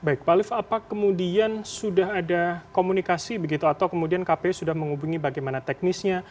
baik pak alif apa kemudian sudah ada komunikasi begitu atau kemudian kpu sudah menghubungi bagaimana teknisnya